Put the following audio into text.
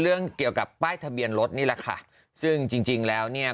เรื่องเกี่ยวกับป้ายทะเบียนรถนี่แหละค่ะซึ่งจริงจริงแล้วเนี่ย